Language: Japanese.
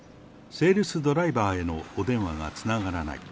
セールスドライバーへのお電話がつながらない。